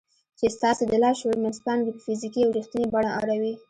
چې ستاسې د لاشعور منځپانګې په فزيکي او رښتينې بڼه اړوي.